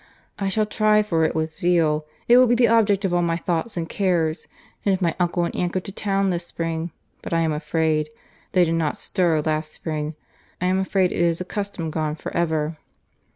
—I shall try for it with a zeal!—It will be the object of all my thoughts and cares!—and if my uncle and aunt go to town this spring—but I am afraid—they did not stir last spring—I am afraid it is a custom gone for ever."